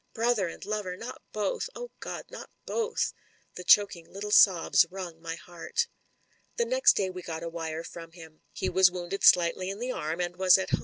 Brother and lover — ^not both, oh, God — not both!" The choking little sobs wrung my heart. The next day we got a wire from him. He was wotmded slightly in the arm, and was at home.